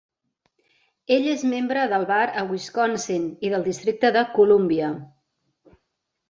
Ell és membre del bar a Wisconsin i del districte de Columbia.